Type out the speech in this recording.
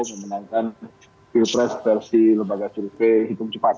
memenangkan pilpres versi lembaga survei hitung cepat